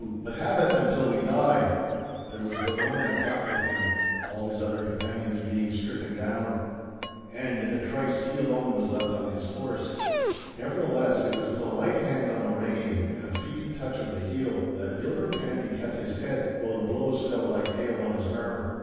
But have at them till we die!' There was but one that fought with him, all his other companions being stricken down. And in a trice he alone was left on his horse. Nevertheless, it was with a light hand on the rein and a feat touch of the heel, that Gilbert Kennedy kept his head, though the blows fell like hail on his armour.